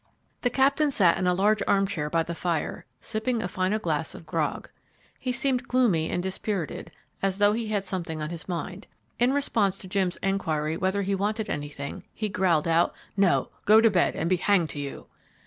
The Captain sat in a large armchair by the fire, sipping a final glass of grog. He seemed gloomy and dispirited, as though he had something on his mind. In response to Jim's enquiry whether he wanted anything he growled out: "No, go to bed, and be hanged to you."